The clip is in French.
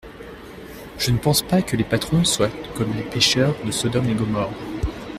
Je ne pense pas que les patrons soient comme les pécheurs de Sodome et Gomorrhe.